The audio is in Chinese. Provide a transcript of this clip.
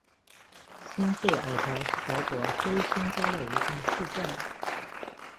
欣费尔德是德国黑森州的一个市镇。